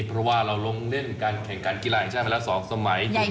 เพราะว่าเราลงเล่นการแข่งการกีฬาอย่างเช่นมาแล้วสองสมัยถูกไหม